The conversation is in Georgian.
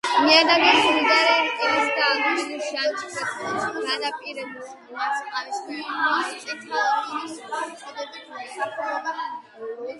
ნიადაგები მდიდარია რკინისა და ალუმინის ჟანგით, რაც განაპირობებს მათ ყავისფერ და მოწითალო შეფერილობას.